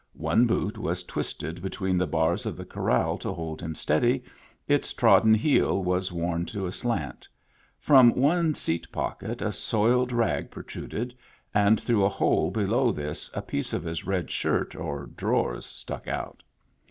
One boot was twisted between the bars of the corral to hold him steady, its trod den heel was worn to a slant; from one seat pocket a soiled rag protruded, and through a hole below this a piece of his red shirt or drawers stuck out.